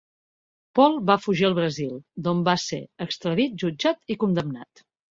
Paul va fugir al Brasil, d'on va ser extradit, jutjat i condemnat.